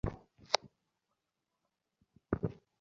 এতেই বুঝবে তোমার দিদির শাসন কিরকম কড়া।